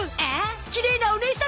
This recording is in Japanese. きれいなおねいさん